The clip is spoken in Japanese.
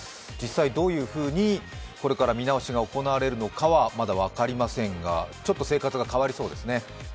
実際、どういうふうにこれから見直しが行われるのかはまだ分かりませんが、ちょっと生活が変わりそうですね。